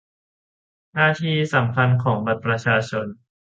หน้าที่สำคัญของบัตรประชาชน